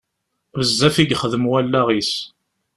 Bezzaf i yexdem wallaɣ-is.